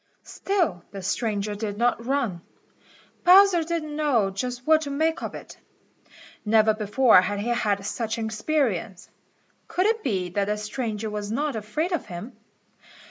Still the stranger did not run. Bowser didn't know just what to make of it. Never before had he had such an experience. Could it be that the stranger was not afraid of him?